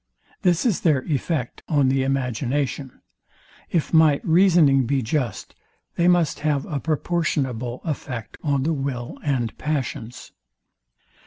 This is their effect on the imagination. If my reasoning be just, they must have a proportionable effect on the will and passions.